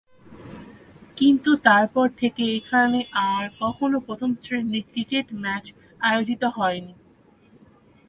কিন্তু তারপর থেকে এখানে আর কখনও প্রথম-শ্রেণির ক্রিকেট ম্যাচ আয়োজিত হয়নি।